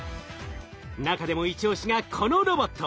中でも一押しがこのロボット。